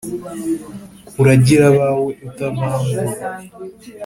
Uragire abawe utavangura